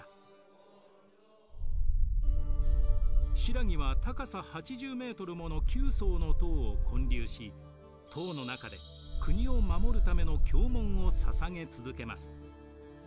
新羅は高さ８０ｍもの９層の塔を建立し塔の中で国を護るための経文をささげ続けます。